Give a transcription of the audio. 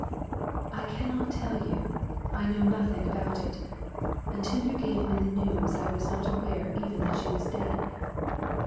" I cannot tell you : I know nothing about it Until you gave me the news I ^as not aware even that she was dead."